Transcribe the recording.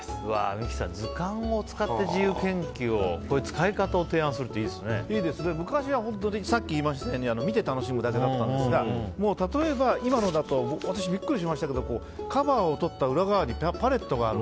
三木さん図鑑を使って自由研究を昔は、さっき言いましたように見て楽しむだけだったんですが例えば、今のだと私ビックリしましたけどカバーをとったら裏側にパレットがある。